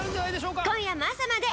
「今夜も朝まで。